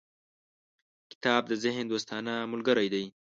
• کتاب د ذهن دوستانه ملګری دی.